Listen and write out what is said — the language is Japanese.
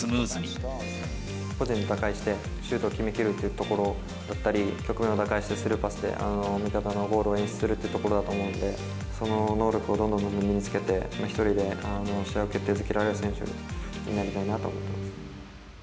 個人で打開して、シュートを決めきるというところだったり、局面を打開してスルーパスで味方のゴールを演出するというところだと思うんで、その能力をどんどん身につけて、１人で試合を決定づけられる選手になりたいなと思ってます。